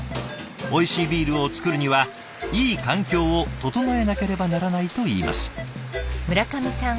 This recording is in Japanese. おいしいビールを造るにはいい環境を整えなければならないといいます。